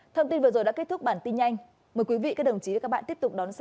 thưa quý vị và các bạn hãy đăng ký kênh để ủng hộ kênh của chúng mình nhé